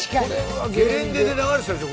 ゲレンデで流れてたでしょ